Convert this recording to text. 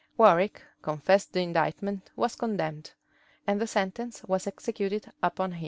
Warwick confessed the indictment was condemned, and the sentence was executed upon him.